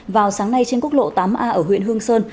vào sáng nay trên quốc lộ tám a ở huyện hương sơn